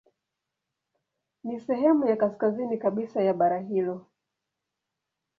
Ni sehemu ya kaskazini kabisa ya bara hilo.